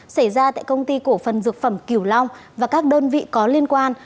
xảy ra tại công ty cổ phần dược phẩm kiều long và các đơn vị có liên quan